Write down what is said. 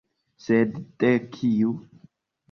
Sed de kiu?